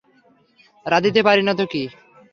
রাঁধিতে পারি না তো কী?